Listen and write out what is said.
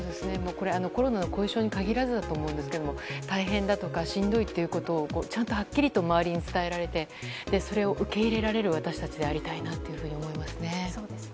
コロナの後遺症に限らずですが大変だとかしんどいということをはっきり周りに伝えられてそれを受け入れられる私たちでありたいと思いますね。